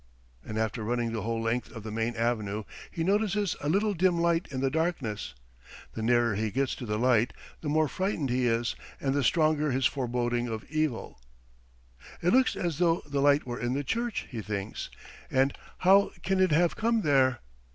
And after running the whole length of the main avenue he notices a little dim light in the darkness. The nearer he gets to the light the more frightened he is and the stronger his foreboding of evil. "It looks as though the light were in the church," he thinks. "And how can it have come there?